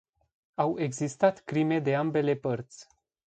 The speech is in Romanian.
Au existat crime de ambele părți.